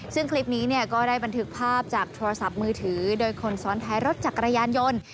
ซึ่งคลิปนี้ก็ได้บันทึกภาพจากโทรศัพท์มือถือโดยคนซ้อนท้ายรถจักรยานยนต์